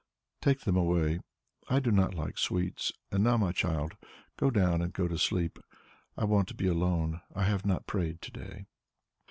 "Take them all away; I do not like sweets; and now, my child, go down and go to sleep; I want to be alone; I have not prayed to day."